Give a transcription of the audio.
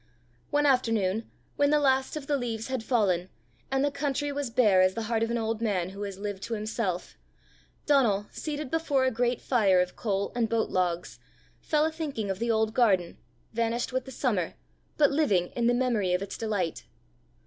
One afternoon, when the last of the leaves had fallen, and the country was bare as the heart of an old man who has lived to himself, Donal, seated before a great fire of coal and boat logs, fell a thinking of the old garden, vanished with the summer, but living in the memory of its delight.